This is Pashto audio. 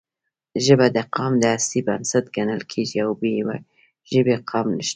ژبه د قام د هستۍ بنسټ ګڼل کېږي او بې ژبې قام نشته.